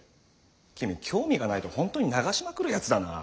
君興味がないとホントに流しまくるやつだなァ。